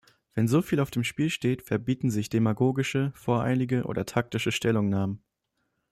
Wenn soviel auf dem Spiel steht, verbieten sich demagogische, voreilige oder taktische Stellungnahmen.